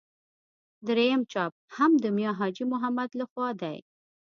درېیم چاپ هم د میا حاجي محمد له خوا دی.